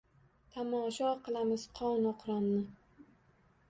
Tamosho qilamiz qonu qironni.